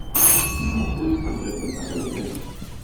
Maɣef ay tebɣid ad teẓred aya?